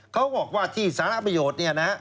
เขาบอกว่าที่สาธารณะประโยชน์